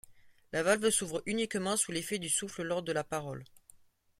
La valve s'ouvre uniquement sous l'effet du souffle lors de la parole.